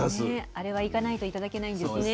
あれは行かないと頂けないんですね。